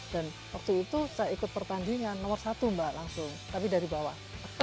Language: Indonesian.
dan waktu itu saya ikut pertandingan nomor satu mbak langsung tapi dari bawah